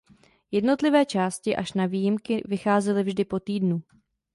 Jednotlivé části až na výjimky vycházely vždy po týdnu.